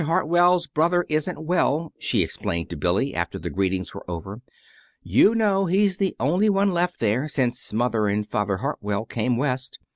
Hartwell's brother isn't well," she explained to Billy, after the greetings were over. "You know he's the only one left there, since Mother and Father Hartwell came West.